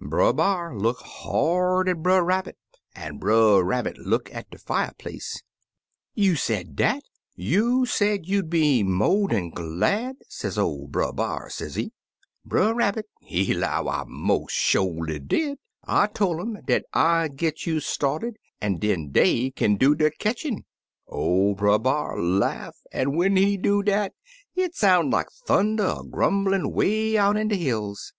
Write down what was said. Brer B'ar look hard at Brer Rabbit an' Brer Rabbit look in de fierplace. *You said dat? You said you'd be mo' dan glad?' sez ol' Brer B'ar, sezee. Brer Rabbit, he 'low, 'I mos' sholy did. I tol' um dat I 'd git you started, an' den dey kin do de ketchin'/ "Or Brer B'ar laugh, an' when he do dat, it soun' like thunder a grumblin' way out in de hills.